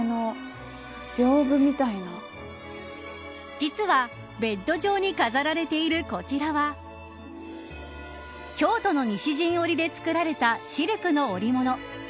実はベッド上に飾られているこちらは京都の西陣織で作られたシルクの織物。